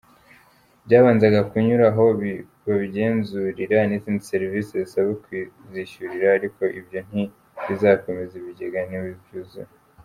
Byabanzaga kunyura aho babigenzurira n’izindi serivisi zisaba kuzishyurira ariko ibyo ntibizakomeza ibigega nibyuzura.